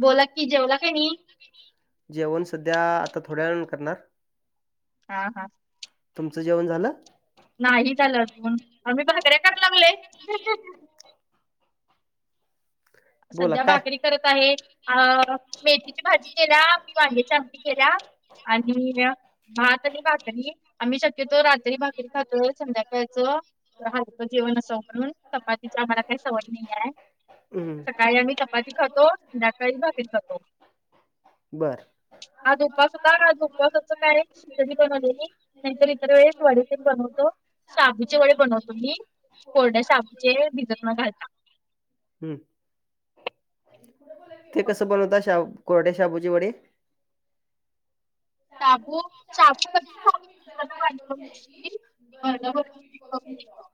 बोला की जेवला काय नाही. जेवण सध्या आता थोड्या वेळाने करणार हा हा तुमचं जेवण झालं? नाही झालं अजून आम्ही भाकऱ्या काराय लागलोय. बोला सध्या काय भाकरी करत आहे. अ मेथीची भाजी केल्या मी वांग्याची आमटी केल्या आणि म आ [unintelligible] ज हलकं जेवण असावं म्हणून चपातीच्या आम्हांला काही सवय नाही आहे, हं... सकाळी आम्ही चपाती खातो, संध्याकाळी भाकरी खातो. बर आज उपास होता, आज उपपासाच काय खिचडी बनवलेली. नाहीतर इतर वेळेस वडे तेन बनवतो, शाबूचे वडे बनवतो मी. कोरड्या शाबूचे भिजत न घालता. हू... ते कसं बनवता शाबू कोरड्या शाबूचे वडे? शाबू, शाबू कच्चा मिक्सरला बारीक करून घ्यायची, भरडं -भरडं पीठ करून घ्यायचं,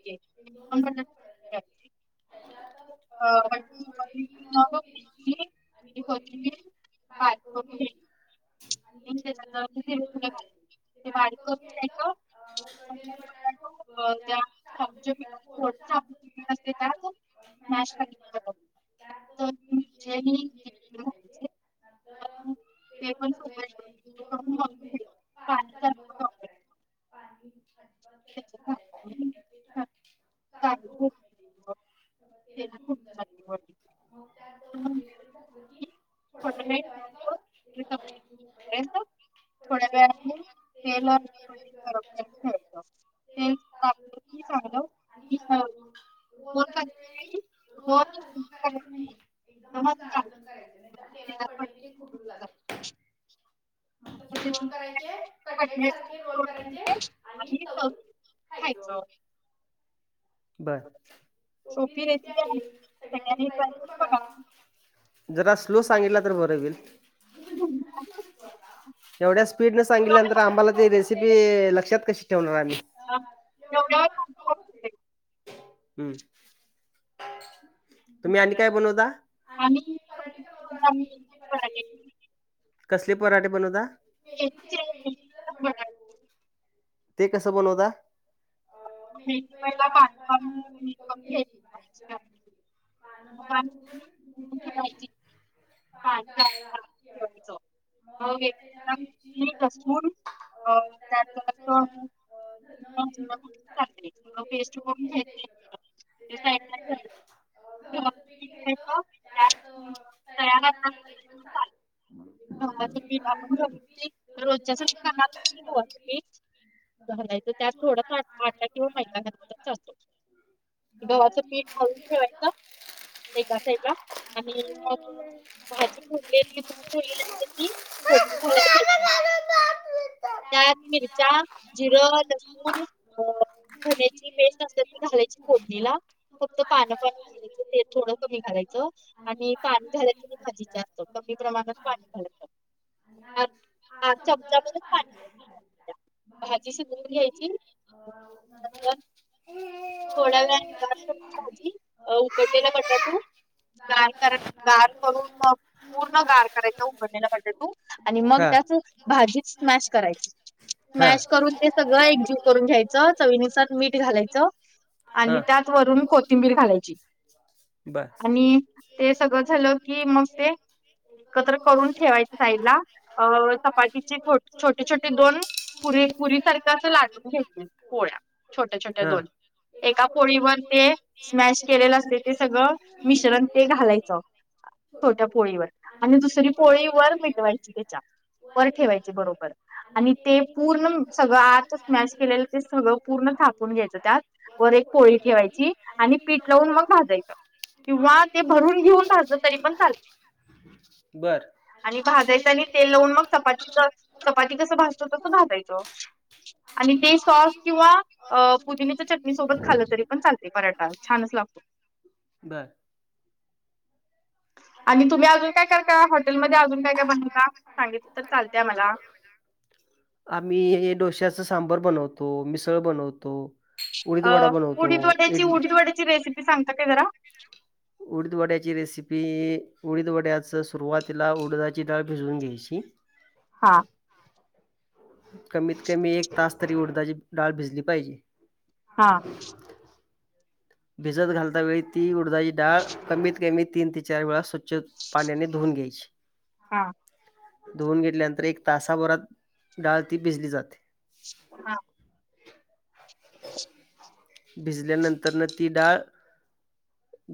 [unintelligible] आणि दोन बटाटू उकडत ठेवायची. अं बटाटे उकडलेली त्यावर [unintelligible] कोथिंबीर बारीक करून घ्यायची आणि त्याच्यात जराशी जीरेपुड घाल ते बारीक करून घ्यायचं, उकडलेल बटाट ज्या [unintelligible] ॅ [unintelligible] त्यात मिरची आणि जिरे येन घालायचें नंतर ते पण सगळ एकजीव करून पाणी मळून घ्यायचं. पाणी अजिबात वापर करायचा नाही पाणी त्याच्यात [unintelligible] चांगलं होत नाही ते तेव्हा तेलात फूटून जातय वडे. मग त्यात दोन [unintelligible] घातलं की, [unintelligible] थोड्या वेळाने तेल एका कढईत गरम करायला ठेवायचं. तेल तापलं की चांगलं, आणि रोल फोन करते वेळी मी फोन रोलला रज फोन करायचं नाही. एकदम तेव्हा आता तू चालू जाडलं करायचं, नाही तर फोन तेलात पडलं की ते फुठून जातय. नंतर ते रोल करायचे, कटलेट सारखे रोल करायचे, आणि तळून खायचं सोपी रेसिपी आहे सगळ्यांनी ट्राय करून बघा. जरा स्लो सांगितला तर बरं होईल. [unintelligible] एवढ्या स्पीडनं सांगितल्यानंतर आम्हांला ती रेसिपी लक्षात कशी ठेवणार आम्ही? हां जेवल्यावर.. हम्म तुम्ही आणि काय बनवता? आणि काजूची भाजी आणि मेथीची भाजी. कसले पराठे बनवता? मेथीची आणि [unintelligible] ते कसं बनवता? अ मेथी पहिला पाणी पाणी पानं-पानं नीट मीठ करून घ्यायची, भाजी घ्यायचं धुवायची, पानं मग पानं पाणी खुढून धूवून ठेवायची. पानं जास्त प्रमाणात ठेवायचं. मग एका, एका मिरची लसूण अ [unintelligible] पुदिना, [unintelligible] [unintelligible] पेस्ट करून घ्याय ते ठेवायचं गव्हाचं पीठ घ्यायचं त्या [unintelligible] गव्हाचं पीठ आपण रोजासाठी [unintelligible] पीठ घालायच त्यात थोडा आटा किंवा मैदा घातला तर चालतो गव्हाचं पीठ मळून ठेवायचं [unintelligible] एका साईडला आणि मग भाजी खुडलेली धुवून ठेवलेली असती ती फोडणी घालायला घ्याय त्यात मिरच्या, जिरं, लसूण अ धन्याची पेस्ट असत ती घालायची फोडणीला फक्त पानं, पान घालायच ते थोडं कमी घालायचं आणि पाणी घालायचं नाही भाजीत जास्त कमी प्रमाणात पाणी घालयच पाणी घालायचं [unintelligible] भाजीला. भाजी शिजवून घ्यायची थोड्या वेळानं [unintelligible] भाजी उकटलेला बटाटू गार कर गार करून मग पूर्ण गार करायच उघडलेला बटाटू आणि मग त्याच भाजी स्मॅश करायची स्मॅश करून ते सगळं एकजीव करून घ्यायचं चवीनुसार मीठ घालायचं आणि त्यात वरून कोथिंबीर घालायची बर आणि ते सगळं झालं की मग ते एकत्र करून ठेवायच साइडला अ चपातीचे छोटी, छोटी ते दोन पुरीे, पुरी सारखं अस लाटून घेतील पोळ्या छोट्या, छोट्या दोन एका पोळीवर ते स्मॅश केलेलं असते ते सगळं मिश्रण ते घालायचं छोट्या पोळीवर आणि दुसरी पोळी वर मिटवायची त्याच्या वर ठेवायचे बरोबर आणि ते पूर्ण सगळं आत मॅश केलेलं ते सगळं पूर्ण थापून घ्यायचं त्यात वर एक पोळी ठेवायची आणि पीठ लावून मग भाजा भाजलं तरी पण चालत बर आणि भाजायचं आणि तेल लावून मग चपातीच चपाती कसं भाजतो तसं भाजायच आणि ते सॉस किंवा पुदिनेच्या चटणी सोबत खालं तरी पण चालते पराठा छानच लागतो बर आणि तुझ्या तुम्ही आपण अजून काय काय करता सां हॉटेलमध्ये अजून काय काय बनवता खू सांगितलं तर चालतय आ मला आम्ही हे डोश्याच सांबर बनवतो, मिसळ बनवतो उडीद अ वडा बनवतो उडीद वड्याची, इडली उडीद वड्याची रेसिपी सांगता काय जरा उडीदवड्याची रेसिपी उडीदवड्याच सुरुवातीला उडदाची डाळ भिजवून घ्यायची हां कमीत कमी एक तास तरी उडदाची डाळ भिजली पाहिजे हा भिजत घालता वेळी ती उडदााची डाळ कमीत कमी तीन ते चार वेळा स्वच्छ पाण्याने धुवून घ्यायची हा धुवन घेतल्यानंतर एक तासाभरात डाळ ती भिजली जाते हा भिजल्यानंतर न ती डाळ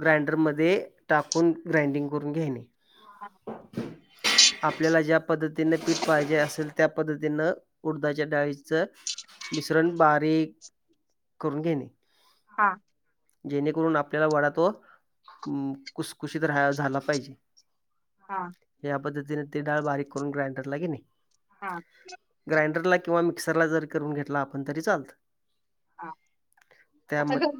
ग्राइंडर मध्ये, टाकून ग्राइंडिंग करून घेणे. हा आपल्याला ज्या पद्धतीने पीठ पाहिजे असल त्या पद्धतीनं, उडदाच्या डाळीचं मिश्रण बारीक करून घेणे. हा जेणेकरून आपल्याला वडा तो हम कुसखुशीत राह, झाला पाहिजे. हा या पद्धतीने ते डाळ बारीक करून ग्राइंडरला घेने. हा ग्राइंडरला किंवा मिक्सरला जरी करून घेतला आपण तरी चालतं. हा त्या आता गहू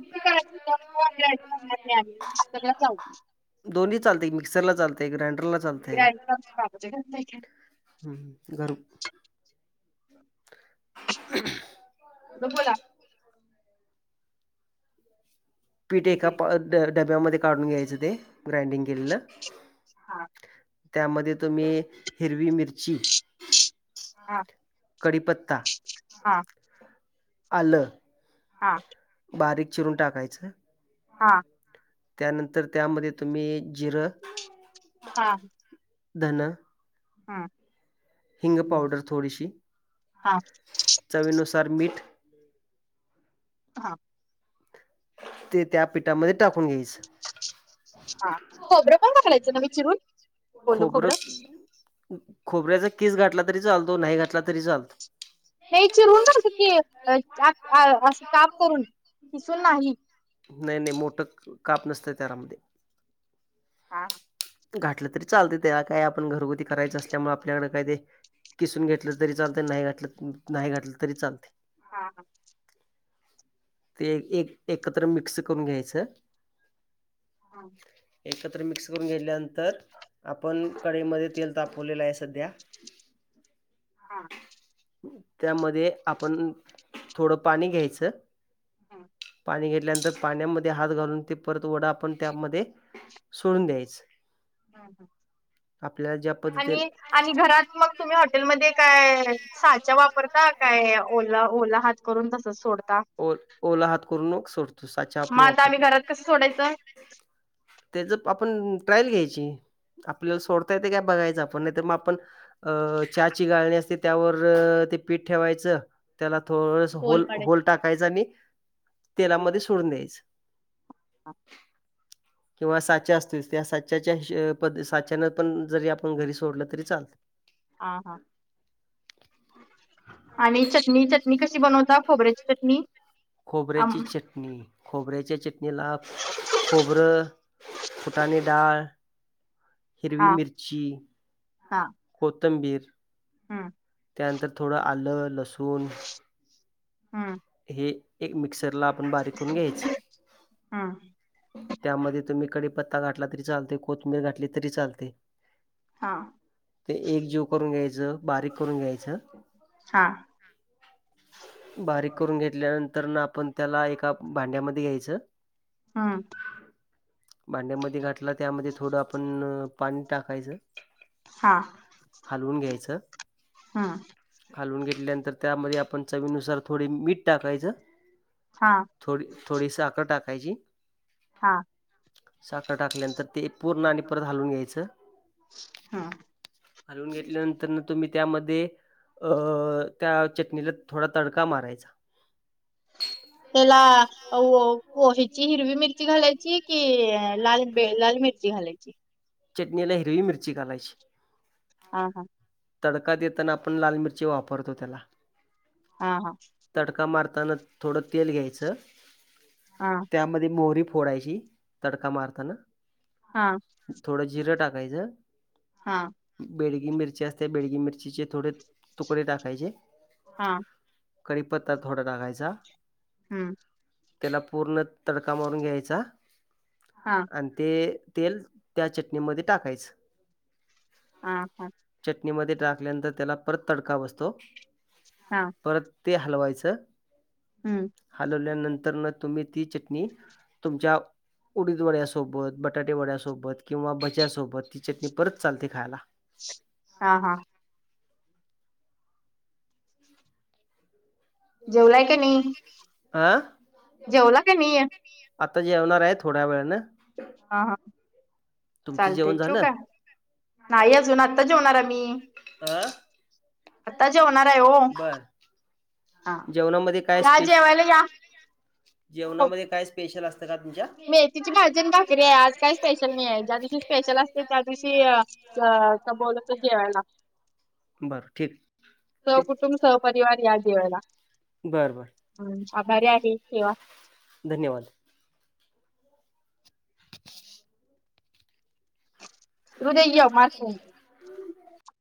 [unintelligible] दोनही चालतंय एक मिक्सरला चालतंय ग्रांडरला चालते. ग्राइंडर बाबाच्या [unintelligible] हम्म घरू [unintelligible] मग बोला पीठ एका पा ड-डब्यामध्ये काढून घ्यायचं ते ग्राइंडिंग केलेलं. हा त्यामध्ये तुम्ही, हिरवी मिरची हा कडीपत्ता हा आलं हा बारीक चिरून टाकायचं. हा त्यानंतर त्यामध्ये तुम्ही जिरं. हा धन हा हिंग पावडर थोडीशी, हा चवीनुसार मीठ. हा ते त्या पिठामध्ये टाकून घ्यायचं. हा खोबरं पण घालायचं ना ग चिरून. खोबरं खोबऱ्याचा कीस घातला तरी चालतो नाय घातला तरी चालतो. हे चिरून झालात की, अ आ आ आ. नाय नाय मोठं काप नसतं त्यारामध्ये. हा घातलं तरी चालत त्याला काय आपण घरगुती करायचं असल्यामुळे आपल्याकड काय ते कीसून घेतलं तरी चालतंय नाय घातलं नाय घातलं तरी चालतंय. हा हा ते एक एकत्र मिक्स करून घ्यायचं. हा एकत्र मिक्स करून घेतल्यानंतर आपण कढईमध्ये तेल तापवलेलं आहे सध्या हा त्यामध्ये आपण थोडं पाणी घ्यायचं हम पाणी घेतल्यानंतर पाण्यामध्ये हात घालून ते परत वडा आपण त्यामध्ये सोडून द्यायचं हा आपल्याला ज्या पद्धतीने आणि आणि घरात मग तुम्ही हॉटेलमध्ये काय साचा वापरता काय ओला ओला हात करून तस सोडत ओ ओला हात करून मग सोडतो साचा आपण मग आता वापरत आम्ही नाही घरात कसं सोडायचं त्याच आपण ट्रायल घ्यायची आपल्याला सोडता येतय काय बघायचं आपण नाही तर मग आपण अ चहाची गाळणी असते त्यावर ते पीठ ठेवायचं त्याला थोडस पोल होल पाडायच होल टाकायच आणि तेलामध्ये सोडून द्यायचं ह किंवा साच्या असतोयच त्या साच्याच्या पद् साच्यान पण जरी आपण घरी सोडलं तरी चालतय हा हा आणि चटणी चटणी कशी बनवता खोबऱ्याची चटणी आम खोबऱ्याची चटणी खोबऱ्याच्या चटणीला खोबरं फुटाने डाळ हिरवी हा मिर्ची कोथंबीर हा त्यानंतर थोडं आलं लसूण हा हे एक मिक्सरला आपण बारीक करून घ्यायच हम्म त्यामध्ये तुम्ही कडीपत्ता घातला तरी चालतय कोथमीर घातला तरी चालतय हा ते एक जीव करून घ्यायचं बारीक करून घ्यायचं हा बारीक करून घेतल्यानंतर न आपण त्याला एका भांड्यामध्ये घ्यायचं हा भांड्यामध्ये घातला त्यामध्ये थोडं आपण पाणी टाकायचं हा हा घालून घेतल्यानंतर त्यामध्ये आपण चवीनुसार थोडी मीठ टाकायचं हा थोडी थोडी साखर टाकायची हा साखर टाकल्यानंतर ते पूर्ण आणि परत हालून घ्यायचं हम्म हालवून घेतल्यानंतर तुम्ही त्यामध्ये अ त्या चटणीला थोडा तडका मारायचा त्याला अव पोहेची हिरवी मिरची घालायची ची कि लाल बेळ लाल मिर्ची घालायची चटणीला हिरवी मिरची घालायची हा हा तडका देताना आपण लाल मिरची वापरतो त्याला हा हा तडका मारताना थोडं तेल घ्यायचं हा त्यामध्ये मोहरी फोडायची तडका मारताना हां थोडं जिरं टाकायच हा बेडगी मिरची असते बेडगी मिरचीचे थोडे तुकडे टाकायचे हा करीपत्ता थोडा टाकायचा हम्म त्याला पूर्ण तडका मारून घ्यायचा हा आणि ते तेल त्या चटणीमध्ये टाकायच हां हं चटणीमध्ये टाकल्यानंतर त्याला परत तडका बसतो हां परत ते हलवायच हम्म हलवल्यानंतर न तुम्ही ती चटणी तुमच्या उडीद वड्यासोबत बटाटे वड्यासोबत किंवा भज्यासोबत ती चटणी परत चालते खायला हा हा जेवलाय का नाही आ? जेवला की नाही आता जेवणार आहे थोड्या वेळ ना हा हां चालते जेवण ठेऊ झालं? का नाही अजून आत्ता जेवणार आहे मी आता जेवणार बर हा जेवणामध्ये काय या स्पेशल जेवायला या हो, जेवणामध्ये काय स्पेशल असत का तुमच्या मेथीची भाजी आणि भाकरी आहे आज काय स्पेशल नाही आहे ज्या दिवशी स्पेशल असते त्या दिवशी त्या त्या बोलवतो जेवायला बरं ठीक सहकुटुंब सहपरिवार या जेवायला बर बर हम् आभारी आहे ठेवा धन्यवाद रूद्या ये मार खाईल